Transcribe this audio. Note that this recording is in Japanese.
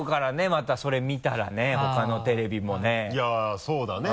またそれ見たらねほかのテレビもね。いやっそうだね